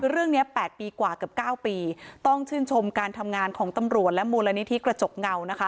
เรื่องนี้๘ปีกว่าเกือบ๙ปีต้องชื่นชมการทำงานของตำรวจและมูลนิธิกระจกเงานะคะ